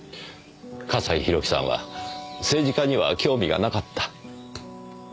笠井宏樹さんは政治家には興味がなかった？